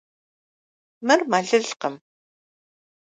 Мыр мэлылкъым.